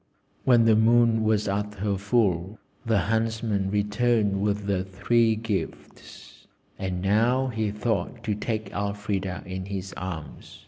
When the moon was at her full the Huntsman returned with the three gifts, and now he thought to take Elfrida in his arms.